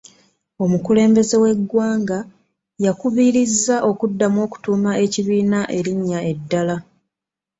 Omukulembeze w'eggwanga yabakubirizza okuddamu okutuuma ekibiina erinnya eddala.